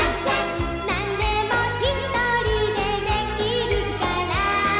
「何でもひとりでできるから」